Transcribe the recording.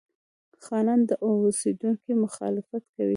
خانان او اوسېدونکي مخالفت کوي.